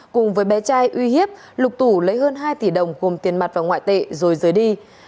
cùng với bé trai uy hiếp lục tủ lấy hơn hai tỷ đồng gồm tiền mặt và ngoại tệ rồi rời đi